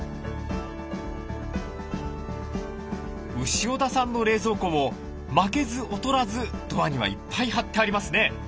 潮田さんの冷蔵庫も負けず劣らずドアにはいっぱい貼ってありますね。